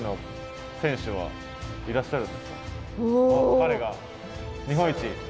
彼が日本一。